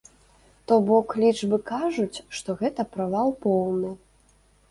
То бок лічбы кажуць, што гэта правал поўны.